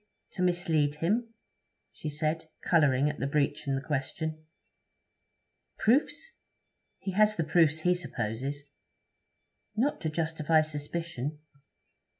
to mislead him?' she said, colouring at the breach in the question. 'Proofs? He has the proofs he supposes.' 'Not to justify suspicion?'